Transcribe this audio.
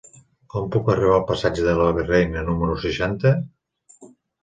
Com puc arribar al passatge de la Virreina número seixanta?